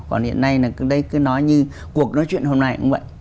còn hiện nay đây cứ nói như cuộc nói chuyện hôm nay cũng vậy